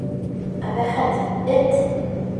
Ҡәбәхәт, эт!